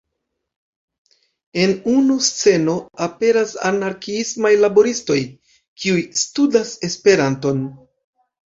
En unu sceno aperas anarkiismaj laboristoj, kiuj studas Esperanton.